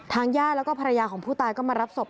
ญาติแล้วก็ภรรยาของผู้ตายก็มารับศพ